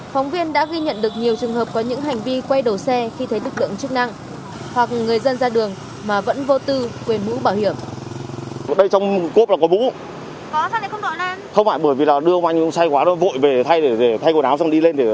phóng viên đã ghi nhận được nhiều trường hợp có những hành vi quay đầu xe khi thấy tích lượng chức năng